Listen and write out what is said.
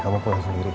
kamu pulang sendiri